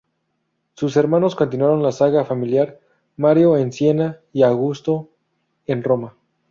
Sus hermanos continuaron la saga familiar: Mario en Siena y Augusto en Roma.